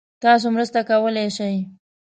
تاسو مرسته کولای شئ؟